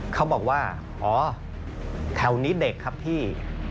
เขาบอกว่าอ๋อแถวนี้เด็กครับพี่